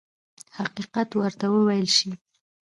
حقیقت ورته وویل شي.